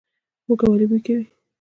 هوږه ولې بوی کوي؟